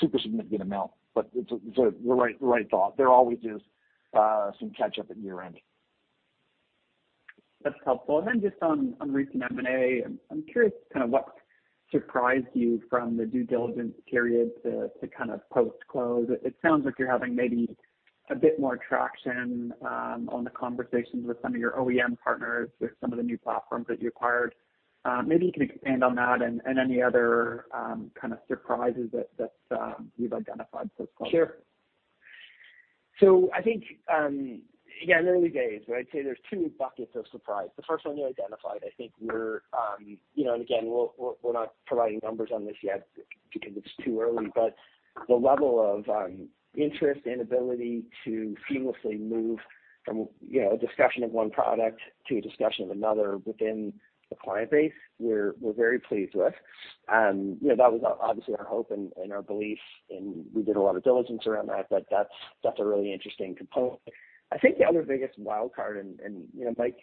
super significant amount. It's the right thought. There always is some catch up at year-ending. That's helpful. Then just on recent M&A, I'm curious kind of what surprised you from the due diligence period to kind of post-close. It sounds like you're having maybe a bit more traction on the conversations with some of your OEM partners with some of the new platforms that you acquired. Maybe you can expand on that and any other kind of surprises that you've identified so far. Sure. I think, again, early days, but I'd say there are two buckets of surprise. The first one you identified, I think we're, you know, and again, we're not providing numbers on this yet because it's too early. The level of interest and ability to seamlessly move from, you know, a discussion of one product to a discussion of another within the client base, we're very pleased with. You know, that was obviously our hope and our belief, and we did a lot of diligence around that. That's a really interesting component. I think the other biggest wildcard and, you know, Michael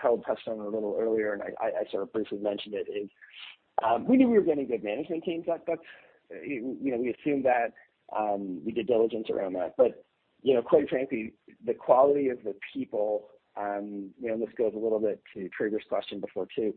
Held touched on it a little earlier, and I sort of briefly mentioned it, is we knew we were getting good management teams. You know, we assumed that we did diligence around that. you know, quite frankly, the quality of the people, you know, and this goes a little bit to Paul Treiber's question before too,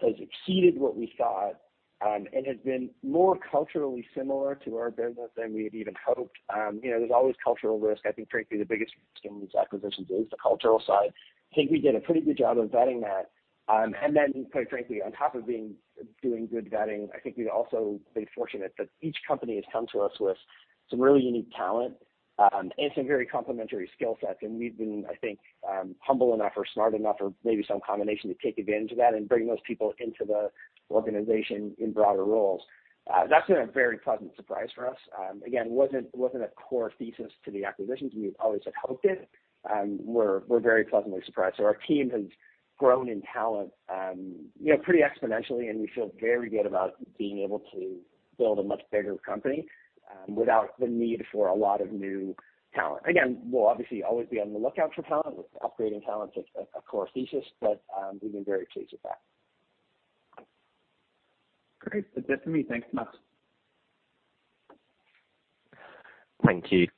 has exceeded what we thought, and has been more culturally similar to our business than we had even hoped. you know, there's always cultural risk. I think frankly, the biggest in these acquisitions is the cultural side. I think we did a pretty good job of vetting that. quite frankly, on top of doing good vetting, I think we've also been fortunate that each company has come to us with some really unique talent, and some very complementary skill sets. We've been, I think, humble enough or smart enough or maybe some combination to take advantage of that and bring those people into the organization in broader roles. That's been a very pleasant surprise for us. Again, wasn't a core thesis to the acquisitions. We always had hoped it. We're very pleasantly surprised. Our team has grown in talent, you know, pretty exponentially, and we feel very good about being able to build a much bigger company, without the need for a lot of new talent. Again, we'll obviously always be on the lookout for talent. Upgrading talent's, a core thesis, but we've been very pleased with that. Great. That's it for me. Thanks so much. Thank you.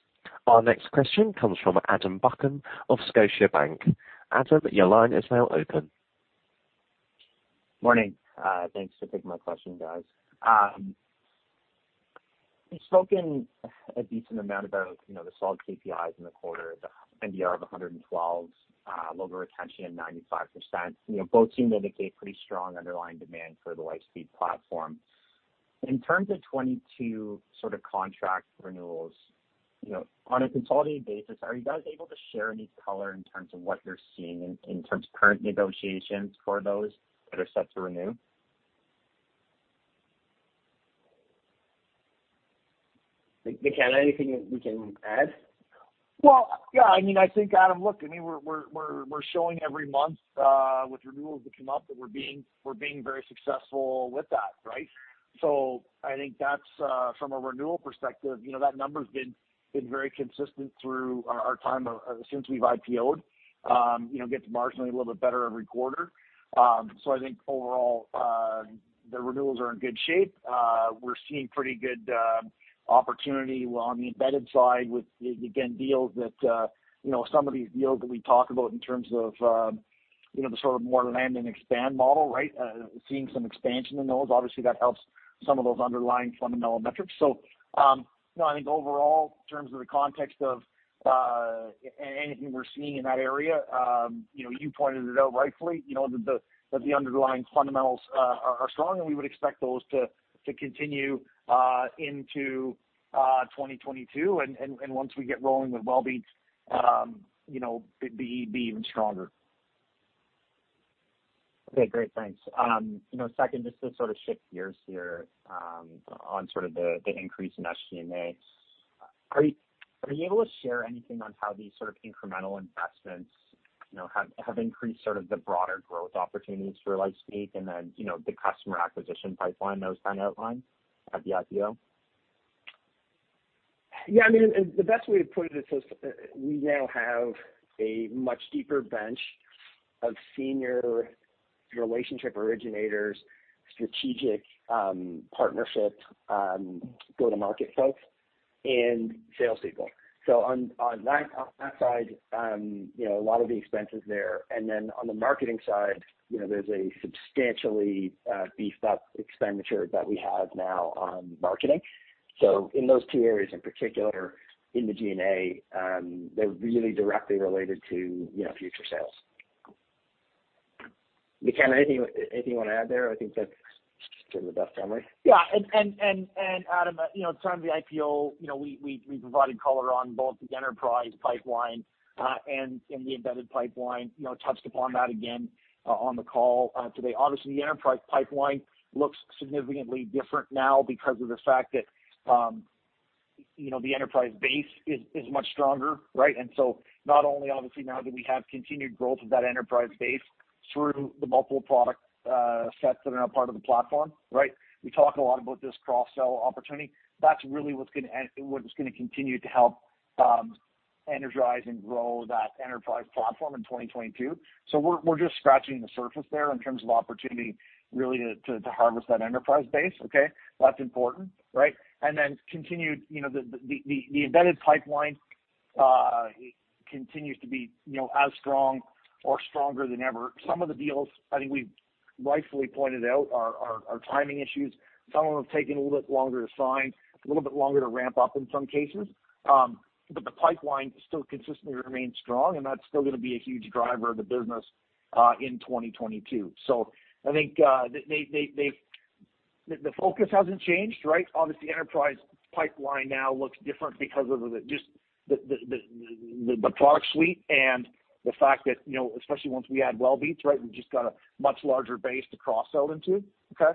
Our next question comes from Adam Buckham of Scotiabank. Adam, your line is now open. Morning. Thanks for taking my question, guys. You've spoken a decent amount about, you know, the solid KPIs in the quarter, the NDR of 112, logo retention at 95%. You know, both seem to indicate pretty strong underlying demand for the LifeSpeak platform. In terms of 2022 sort of contract renewals, you know, on a consolidated basis, are you guys able to share any color in terms of what you're seeing in terms of current negotiations for those that are set to renew? McKenna, anything that we can add? Well, yeah, I mean, I think, Adam, look, I mean, we're showing every month with renewals that come up that we're being very successful with that, right? So, I think that's from a renewal perspective, you know, that number's been very consistent through our time since we've IPO'd, you know, gets marginally a little bit better every quarter. So, I think overall, the renewals are in good shape. We're seeing pretty good opportunity on the embedded side with, again, deals that, you know, some of these deals that we talk about in terms of, you know, the sort of more land and expand model, right? Seeing some expansion in those, obviously that helps some of those underlying fundamental metrics. You know, I think overall in terms of the context of anything we're seeing in that area, you know, you pointed it out rightfully, you know, that the underlying fundamentals are strong, and we would expect those to continue into 2022. Once we get rolling with Wellbeats, you know, be even stronger. Okay, great. Thanks. You know, second, just to sort of shift gears here, on sort of the increase in SG&A. Are you able to share anything on how these sort of incremental investments, you know, have increased sort of the broader growth opportunities for LifeSpeak and then, you know, the customer acquisition pipeline that was kind of outlined at the IPO? Yeah, I mean, the best way to put it is just we now have a much deeper bench of senior relationship originators, strategic partnership go-to-market folks and salespeople. So, on that side, you know, a lot of the expenses there. Then on the marketing side, you know, there's a substantially beefed-up expenditure that we have now on marketing. So, in those two areas in particular in the G&A, they're really directly related to, you know, future sales. Mike McKenna, anything you wanna add there? I think that's sort of the best summary. Yeah. Adam, you know, in terms of the IPO, you know, we provided color on both the enterprise pipeline and the embedded pipeline, you know, touched upon that again on the call today. Obviously, the enterprise pipeline looks significantly different now because of the fact that, you know, the enterprise base is much stronger, right? Not only obviously now do we have continued growth of that enterprise base through the multiple product sets that are now part of the platform, right? We talk a lot about this cross-sell opportunity. That's really what's gonna continue to help energize and grow that enterprise platform in 2022. We're just scratching the surface there in terms of opportunity really to harvest that enterprise base, okay? That's important, right? Continued, you know, the embedded pipeline. It continues to be, you know, as strong or stronger than ever. Some of the deals, I think we've rightfully pointed out are timing issues. Some of them have taken a little bit longer to sign, a little bit longer to ramp up in some cases. The pipeline still consistently remains strong, and that's still gonna be a huge driver of the business, in 2022. I think the focus hasn't changed, right? Obviously, enterprise pipeline now looks different because of just the product suite and the fact that, you know, especially once we add Wellbeats, right, we've just got a much larger base to cross-sell into. Okay?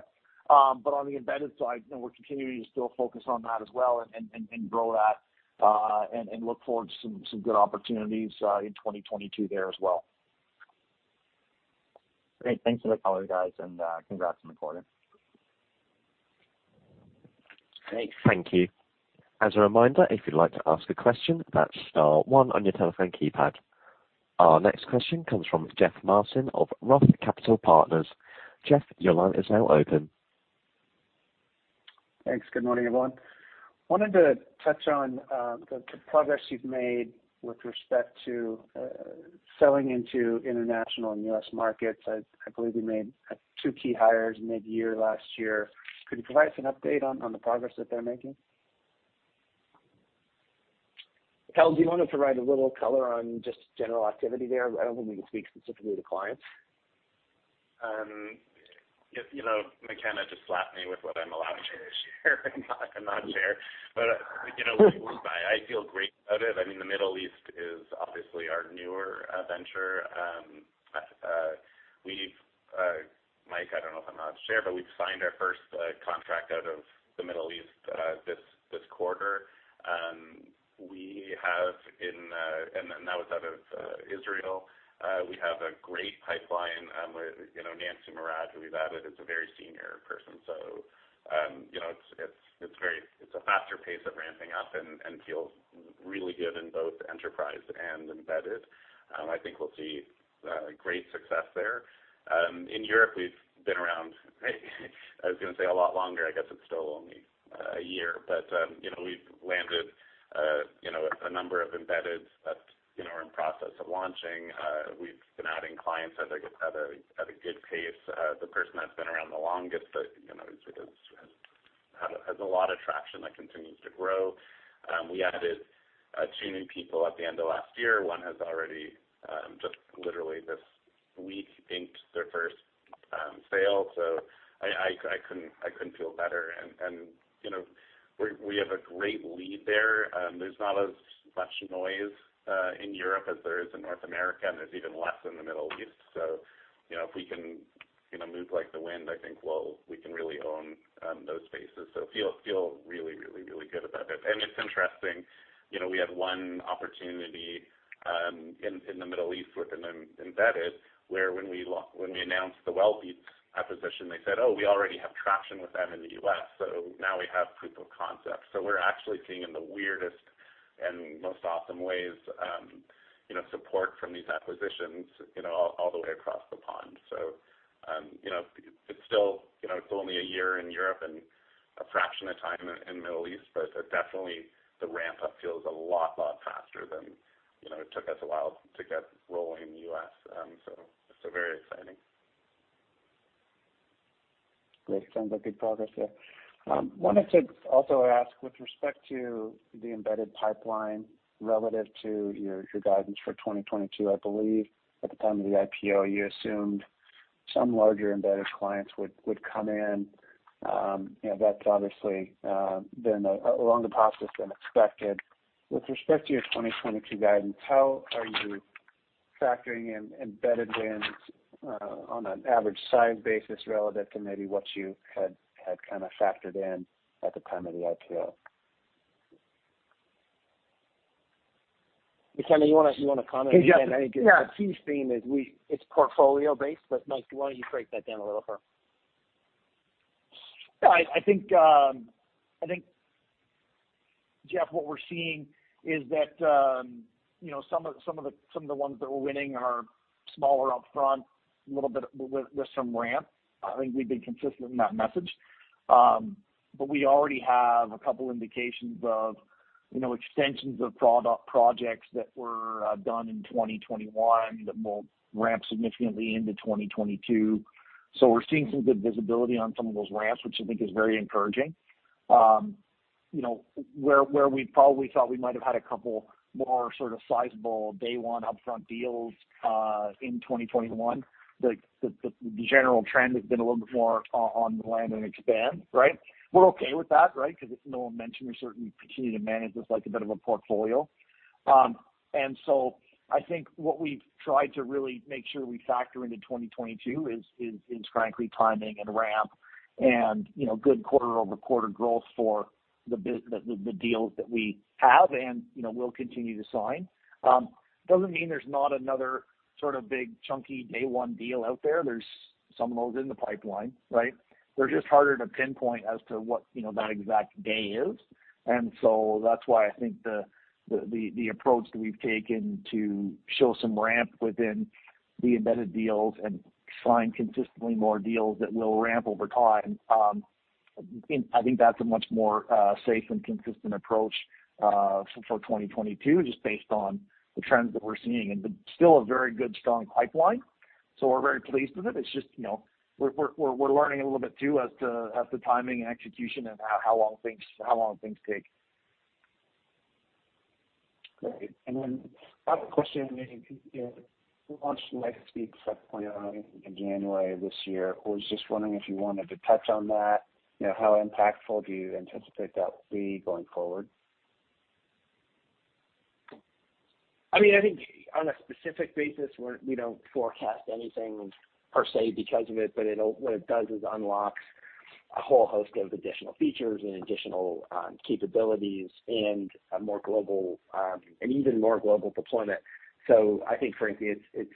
On the embedded side, you know, we're continuing to still focus on that as well and grow that, and look forward to some good opportunities, in 2022 there as well. Great. Thanks for the color, guys, and congrats on the quarter. Great. Thank you. As a reminder, if you'd like to ask a question, that's star one on your telephone keypad. Our next question comes from Jeff Martin of Roth Capital Partners. Jeff, your line is now open. Thanks. Good morning, everyone. I wanted to touch on the progress you've made with respect to selling into international and U.S. markets. I believe you made two key hires mid-year last year. Could you provide us an update on the progress that they're making? Michael Held, do you want to provide a little color on just general activity there? I don't know if we can speak specifically to clients. You know, McKenna just slapped me with what I'm allowed to share and not share. You know, I feel great about it. I mean, the Middle East is obviously our newer venture. We've, Mike, I don't know if I'm allowed to share, but we've signed our first contract out of the Middle East this quarter, and that was out of Israel. We have a great pipeline with, you know, Ania Mital, who we've added, is a very senior person. You know, it's a faster pace of ramping up and feels really good in both enterprise and embedded. I think we'll see great success there. In Europe, we've been around, I was gonna say a lot longer. I guess it's still only a year. You know, we've landed a number of embeddeds that are in process of launching. We've been adding clients at a good pace. The person that's been around the longest has a lot of traction that continues to grow. We added two new people at the end of last year. One has already just literally this week inked their first sale. I couldn't feel better. You know, we have a great lead there. There's not as much noise in Europe as there is in North America, and there's even less in the Middle East. You know, if we can move like the wind, I think we can really own those spaces. Feel really good about it. It's interesting, you know, we had one opportunity in the Middle East with an embedded, where when we announced the Wellbeats acquisition, they said, "Oh, we already have traction with them in the U.S." Now we have proof of concept. We're actually seeing in the weirdest and most awesome ways, you know, support from these acquisitions, you know, all the way across the pond. You know, it's still, you know, it's only a year in Europe and a fraction of time in Middle East, but definitely the ramp up feels a lot faster than, you know, it took us a while to get rolling in the U.S. Very exciting. Great. Sounds like big progress there. Wanted to also ask with respect to the embedded pipeline relative to your guidance for 2022. I believe at the time of the IPO, you assumed some larger embedded clients would come in. You know, that's obviously been a longer process than expected. With respect to your 2022 guidance, how are you factoring in embedded wins on an average size basis relative to maybe what you had kind of factored in at the time of the IPO? McKenna, you wanna comment? Yeah. I think the key theme is it's portfolio-based, but Mike, why don't you break that down a little further? I think, Jeff, what we're seeing is that, you know, some of the ones that we're winning are smaller upfront, a little bit with some ramp. I think we've been consistent in that message. We already have a couple indications of, you know, extensions of product projects that were done in 2021 that will ramp significantly into 2022. We're seeing some good visibility on some of those ramps, which I think is very encouraging. You know, where we probably thought we might have had a couple more sort of sizable day one upfront deals in 2021, the general trend has been a little bit more on the land and expand, right? We're okay with that, right? Because as Nolan mentioned, we certainly continue to manage this like a bit of a portfolio. I think what we've tried to really make sure we factor into 2022 is frankly timing and ramp and, you know, good quarter-over-quarter growth for the deals that we have and, you know, will continue to sign. Doesn't mean there's not another sort of big chunky day one deal out there. There's some of those in the pipeline, right? They're just harder to pinpoint as to what, you know, that exact day is. That's why I think the approach that we've taken to show some ramp within the embedded deals and sign consistently more deals that will ramp over time. I think that's a much more safe and consistent approach for 2022, just based on the trends that we're seeing. Still a very good, strong pipeline. We're very pleased with it. It's just, you know, we're learning a little bit too as to timing and execution and how long things take. Great. I have a question. You know, you launched LifeSpeak 5.0 in January this year. I was just wondering if you wanted to touch on that, you know, how impactful do you anticipate that will be going forward? I mean, I think on a specific basis, we don't forecast anything per se because of it, but what it does is unlocks a whole host of additional features and additional capabilities and a more global, an even more global deployment. I think frankly, it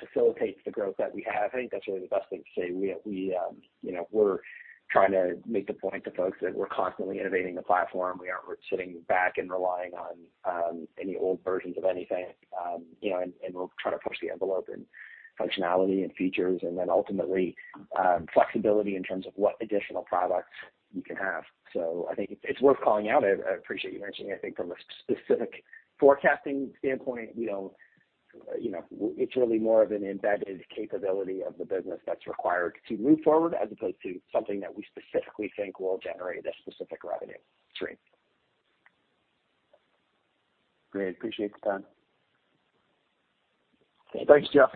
facilitates the growth that we have. I think that's really the best thing to say. You know, we're trying to make the point to folks that we're constantly innovating the platform. We aren't sitting back and relying on any old versions of anything. You know, we'll try to push the envelope in functionality and features and then ultimately, flexibility in terms of what additional products you can have. I think it's worth calling out. I appreciate you mentioning. I think from a specific forecasting standpoint, you know, it's really more of an embedded capability of the business that's required to move forward as opposed to something that we specifically think will generate a specific revenue stream. Great. I appreciate the time. Thanks, Jeff.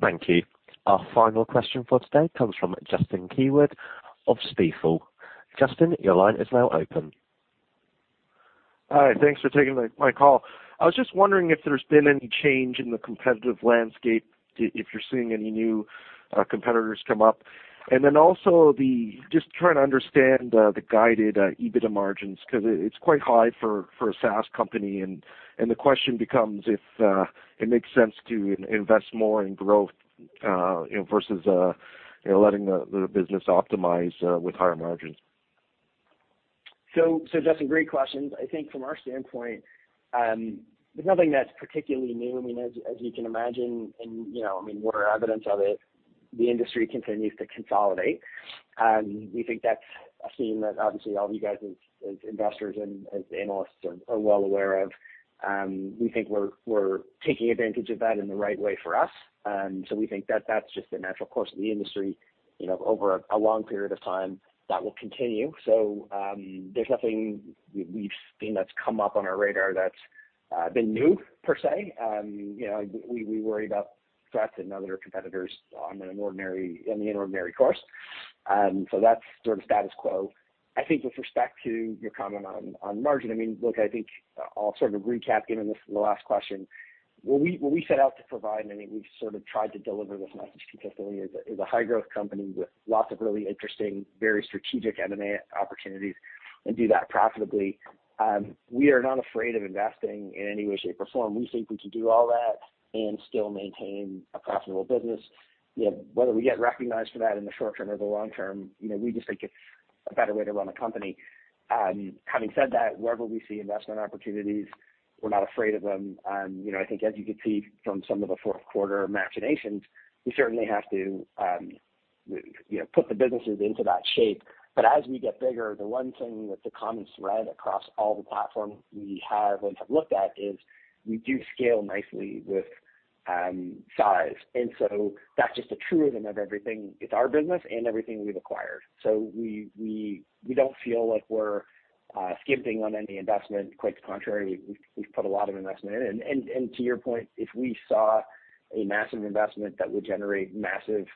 Thank you. Our final question for today comes from Justin Keywood of Stifel. Justin, your line is now open. Hi. Thanks for taking my call. I was just wondering if there's been any change in the competitive landscape, if you're seeing any new competitors come up. Just trying to understand the guided EBITDA margins because it's quite high for a SaaS company. The question becomes if it makes sense to invest more in growth, you know, versus letting the business optimize with higher margins. Justin, great questions. I think from our standpoint, there's nothing that's particularly new. I mean, as you can imagine and, you know, I mean, we're evidence of it, the industry continues to consolidate. We think that's a theme that obviously all of you guys as investors and as analysts are well aware of. We think we're taking advantage of that in the right way for us. We think that that's just the natural course of the industry, you know, over a long period of time that will continue. There's nothing we've seen that's come up on our radar that's been new per se. You know, we worry about threats and other competitors in the ordinary course. That's sort of status quo. I think with respect to your comment on margin, I mean, look, I think I'll sort of recap, given this, the last question. What we set out to provide, and I mean, we've sort of tried to deliver this message consistently, is a high growth company with lots of really interesting, very strategic M&A opportunities and do that profitably. We are not afraid of investing in any way, shape, or form. We think we can do all that and still maintain a profitable business. You know, whether we get recognized for that in the short term or the long term, you know, we just think it's a better way to run a company. Having said that, wherever we see investment opportunities, we're not afraid of them. You know, I think as you can see from some of the Q4 machinations, we certainly have to, you know, put the businesses into that shape. As we get bigger, the one thing that's a common thread across all the platforms we have and have looked at is we do scale nicely with size. That's just a truism of everything. It's our business and everything we've acquired. We don't feel like we're skimping on any investment. Quite the contrary, we've put a lot of investment in. To your point, if we saw a massive investment that would generate massive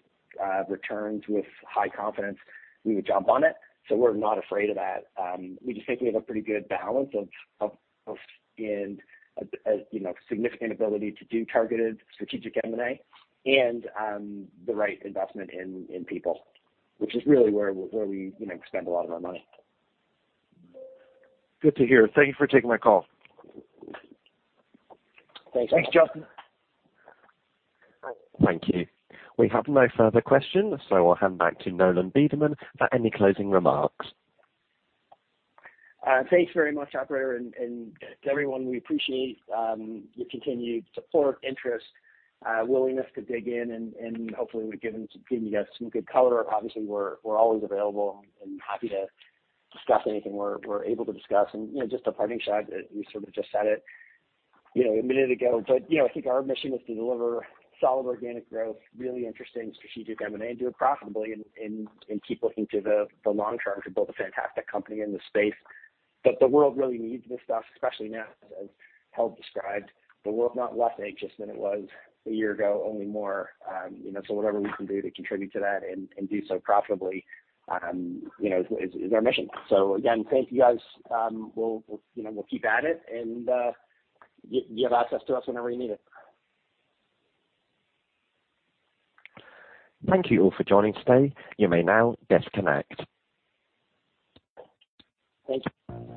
returns with high confidence, we would jump on it. We're not afraid of that. We just think we have a pretty good balance and, you know, significant ability to do targeted strategic M&A and the right investment in people, which is really where we, you know, spend a lot of our money. Good to hear. Thank you for taking my call. Thanks. Thanks, Justin. Thank you. We have no further questions, so I'll hand back to Nolan Bederman for any closing remarks. Thanks very much, operator. To everyone, we appreciate your continued support, interest, willingness to dig in, and hopefully we've given you guys some good color. Obviously, we're always available and happy to discuss anything we're able to discuss. You know, just a parting shot, you sort of just said it, you know, a minute ago, but you know, I think our mission is to deliver solid organic growth, really interesting strategic M&A, and do it profitably and keep looking to the long term to build a fantastic company in the space. The world really needs this stuff, especially now, as Michael Held described. The world's not less anxious than it was a year ago, only more. You know, whatever we can do to contribute to that and do so profitably, you know, is our mission. Again, thank you, guys. You know, we'll keep at it and you have access to us whenever you need it. Thank you all for joining today. You may now disconnect. Thank you.